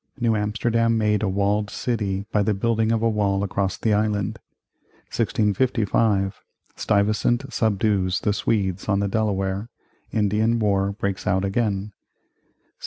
New Amsterdam made a walled city by the building of a wall across the island 1655. Stuyvesant subdues the Swedes on the Delaware Indian war breaks out again 1664.